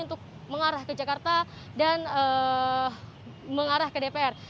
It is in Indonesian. untuk mengarah ke jakarta dan mengarah ke dpr